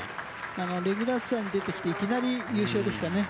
レギュラーツアーに出てきていきなり優勝でしたね。